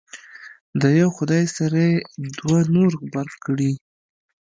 د یو خدای سره یې دوه نور غبرګ کړي.